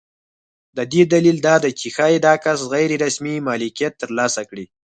د دې دلیل دا دی چې ښایي دا کس غیر رسمي مالکیت ترلاسه کړي.